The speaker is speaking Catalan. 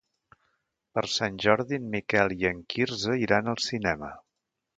Per Sant Jordi en Miquel i en Quirze iran al cinema.